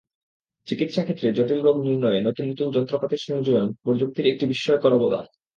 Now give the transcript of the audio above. চিকিত্সাক্ষেত্রে জটিল রোগ নির্ণয়ে নতুন নতুন যন্ত্রপাতির সংযোজন প্রযুক্তির একটি বিস্ময়কর অবদান।